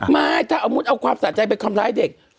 ไม่ถ้ามุทธ์เอาความสะใจเป็นความร้ายเด็ก